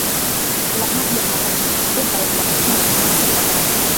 kwa lahaja maalumu ya Ghuba ya Uajemi Tangu wakati